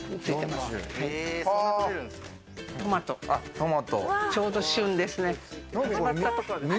トマト、ちょうど旬ですね。